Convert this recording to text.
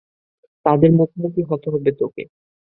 তাদের মুখোমুখি হতে হবে তোকে।